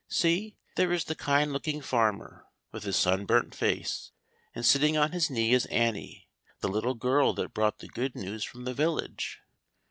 See, there is the kind looking farmer, with his sunburnt face, and sitting on his knee is Annie, the little girl that brought the good news from the village.